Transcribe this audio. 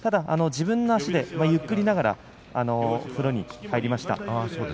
自分の足でゆっくり歩きながら風呂に入りました。